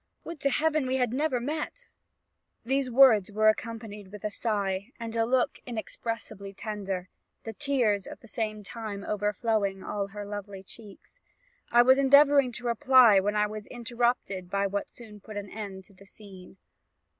Would to Heaven we had never met!' "These words were accompanied with a sigh, and a look inexpressibly tender, the tears at the same time overflowing all her lovely cheeks. I was endeavouring to reply when I was interrupted by what soon put an end to the scene.